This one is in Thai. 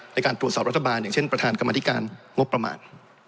ในการตรวจสอบรัฐบาลอย่างเช่นประธานกรรมธิการงบประมาณ